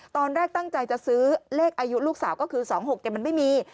ตอนแรกตั้งใจจะซื้อเลขอายุลูกสาวก็คือ๒๖มันไม่มี